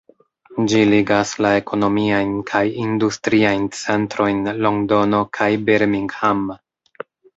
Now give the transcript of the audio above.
Ĝi ligas la ekonomiajn kaj industriajn centrojn Londono kaj Birmingham.